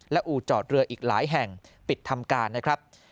และอู่จอดเรืออีกหลายแห่งปิดทำการนะครับ